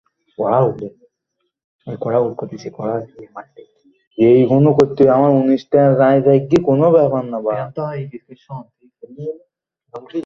জানো তো, ওই প্রেমচাঁদ আমাদের সমর্থন করত।